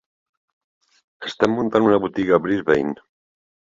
Estem muntant una botiga a Brisbane.